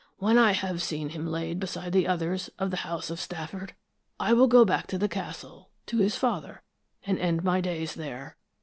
When I have seen him laid beside the others of the House of Stafford, I will go back to the castle, to his father, and end my days there.